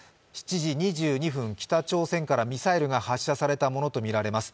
７時２２分、北朝鮮からミサイルが発射されたものとみられます。